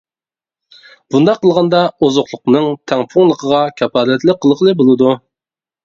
بۇنداق قىلغاندا، ئوزۇقلۇقنىڭ تەڭپۇڭلۇقىغا كاپالەتلىك قىلغىلى بولىدۇ.